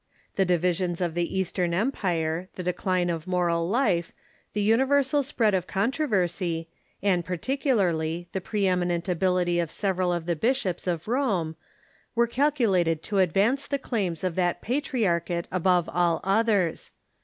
The divisions of the Eastern Empire, the decline of moral life, the uni marmshlJrTc ^'^^"^^^ sp^ad of controversy, and, particularl} , the pre eminent abilitj'' of several of the bishops of Rome, were calculated to advance the claims of that patri archate above all others.